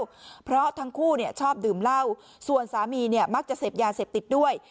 แล้วเพราะทั้งคู่ชอบดื่มเล่าส่วนสามีมักจะเสพยาเสพติดด้วย